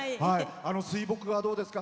水墨画、どうですか？